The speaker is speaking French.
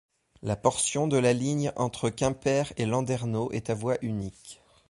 La portion de la ligne entre Quimper et Landerneau est à voie unique.